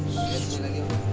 malin jangan lupa